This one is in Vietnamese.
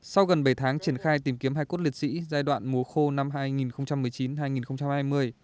sau gần bảy tháng triển khai tìm kiếm hai cốt liệt sĩ giai đoạn mùa khô năm hai nghìn một mươi chín hai nghìn hai mươi